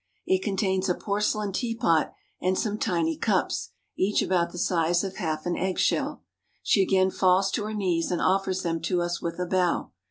It contains a porcelain tea pot and some tiny cups, each about the size of half an egg shell. She again falls to her knees and offers them to us with a bow.